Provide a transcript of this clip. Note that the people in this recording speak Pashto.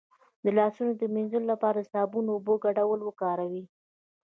د لاسونو د مینځلو لپاره د صابون او اوبو ګډول وکاروئ